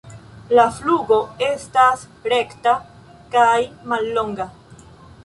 La flugo estas rekta kaj mallonga.